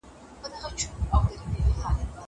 پدې قصه کي د حبيب او محبوب يادونه سوې ده.